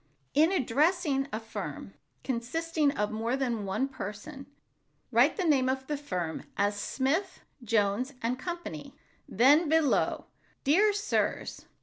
In addressing a firm consisting of more than one person, write the name of the firm, as "Smith, Jones and Company," then below, "Dear Sirs."